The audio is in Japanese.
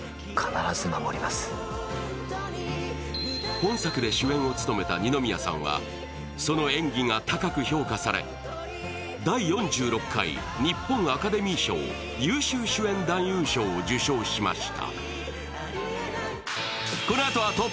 本作で主演を務めた二宮さんはその演技が高く評価され第４６回日本アカデミー賞優秀主演男優賞を受賞しました。